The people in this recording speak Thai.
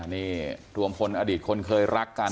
นี่รวมพลอดีตคนเคยรักกัน